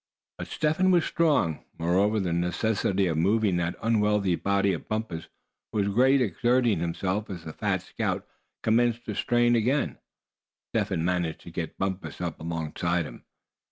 But Step Hen was strong, moreover, the necessity of moving the unwieldy body of Bumpus was great. Exerting himself as the fat scout commenced to strain again, Step Hen managed to get Bumpus up alongside him.